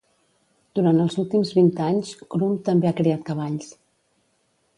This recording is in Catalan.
Durant els últims vint anys, Crum també ha criat cavalls.